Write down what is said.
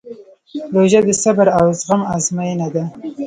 روژه د صبر او زغم ازموینه ده.